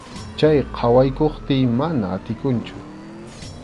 Chay qhawaykuptiy mana atikunchu.